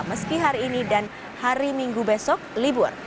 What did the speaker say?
meski hari ini dan hari minggu besok libur